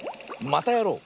「またやろう！」。